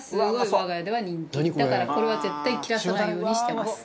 だからこれは絶対切らさないようにしてます。